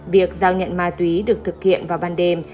việc giao nhận ma túy được thực hiện vào ban đêm